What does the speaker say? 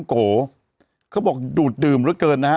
ก็บอกดูดดื่มรักเกิน